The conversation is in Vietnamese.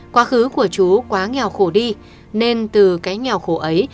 quá khứ của chú quá nghèo khổ đi nên từ cái nghèo khổ ấy